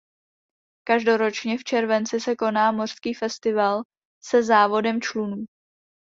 Každoročně v červenci se koná mořský festival se závodem člunů.